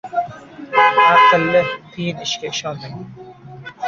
• Aqlli qiyin ishga shoshilmaydi.